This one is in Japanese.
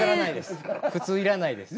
普通いらないです。